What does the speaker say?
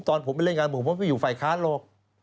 ตอนผมไม่เล่นงานผมผมไม่อยู่ฝ่ายค้านหรอก